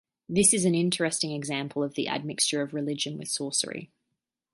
This is an interesting example of the admixture of religion with sorcery.